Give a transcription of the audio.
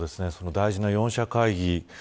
大事な４者会談